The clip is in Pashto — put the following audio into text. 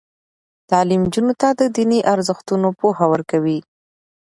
تعلیم نجونو ته د دیني ارزښتونو پوهه ورکوي.